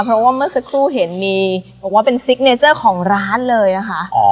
เพราะว่าเมื่อสักครู่เห็นมีบอกว่าเป็นซิกเนเจอร์ของร้านเลยนะคะ